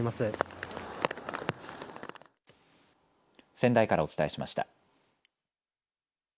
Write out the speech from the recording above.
仙台からお伝えしました。